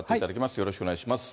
よろしくお願いします。